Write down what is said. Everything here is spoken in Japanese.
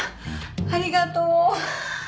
ありがとう！